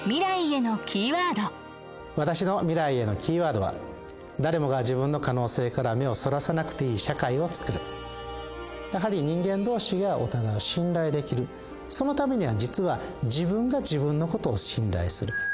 私の未来へのキーワードは「誰もが自分の可能性から目をそらさなくていい社会を作る」やはり人間同士がお互いを信頼できるそのためには実は自分が自分のことを信頼する。